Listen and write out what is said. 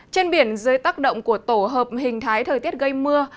trên biển dưới tác động của tổ hợp hình thái thời tiết gây mưa